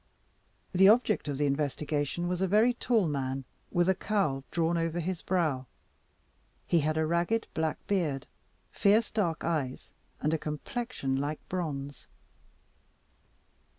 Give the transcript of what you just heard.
The object of the investigation was a very tall man, with a cowl drawn over his brow. He had a ragged black beard, fierce dark eyes, and a complexion like bronze.